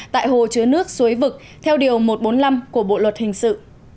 tại hồ chứa nước suối vực theo điều một trăm bốn mươi năm của bộ luật hình sự